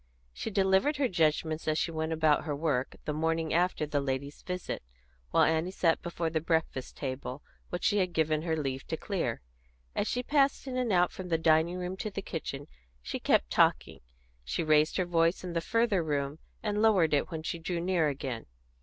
She delivered her judgments as she went about her work, the morning after the ladies' visit, while Annie sat before the breakfast table, which she had given her leave to clear. As she passed in and out from the dining room to the kitchen she kept talking; she raised her voice in the further room, and lowered it when she drew near again.